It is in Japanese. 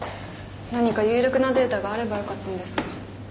何か有力なデータがあればよかったんですが。